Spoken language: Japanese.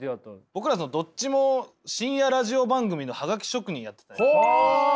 僕らどっちも深夜ラジオ番組のハガキ職人やってたんですよ。